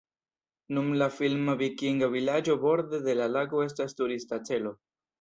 Nun la filma vikinga vilaĝo borde de la lago estas turista celo.